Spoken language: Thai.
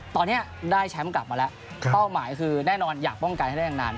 ตอนนี้ได้แชมป์กลับมาแล้วเป้าหมายคือแน่นอนอยากป้องกันให้ได้นาน